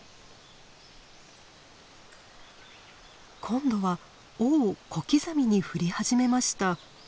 今度は尾を小刻みに振り始めました。